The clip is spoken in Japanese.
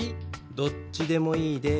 どっちでもいいです。